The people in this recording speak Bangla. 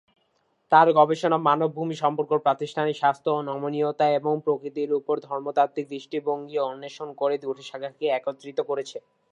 তার গবেষণা "মানব-ভূমি সম্পর্ক, প্রাতিষ্ঠানিক স্বাস্থ্য এবং নমনীয়তা এবং প্রকৃতির উপর ধর্মতাত্ত্বিক দৃষ্টিভঙ্গি" অন্বেষণ করে দুটি শাখাকে একত্রিত করেছে।